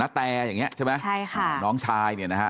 แตอย่างนี้ใช่ไหมใช่ค่ะน้องชายเนี่ยนะฮะ